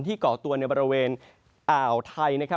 ก่อตัวในบริเวณอ่าวไทย